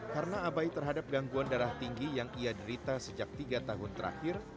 karena abai terhadap gangguan darah tinggi yang ia derita sejak tiga tahun terakhir